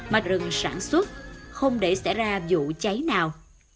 mà rừng sản xuất không để xảy ra vụ cháy nào